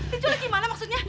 diculik gimana maksudnya